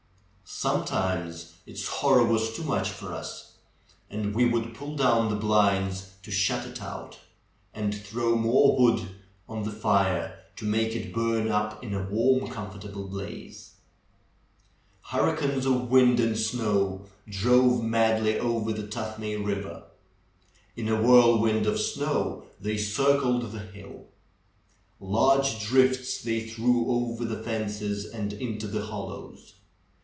Sometimes its horror was too much for us, and we would pull down the blinds to shut it out, and throw more w'ood on the fire to make it burn up in a warm, comfortable blaze. Hurricanes of wind and snow drove madly over the Tuthmay Eiver. In a whirlwind of snow they circled the hill. Large drifts they threw over the fences and into the hollows.